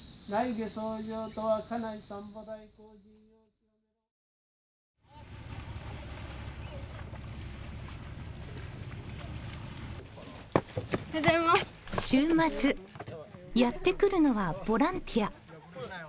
週末やってくるのはボランティア。